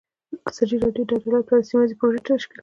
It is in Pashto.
ازادي راډیو د عدالت په اړه سیمه ییزې پروژې تشریح کړې.